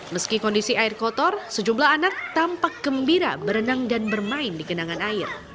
meski kondisi air kotor sejumlah anak tampak gembira berenang dan bermain di genangan air